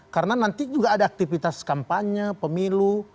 karena nanti juga ada aktivitas kampanye pemilu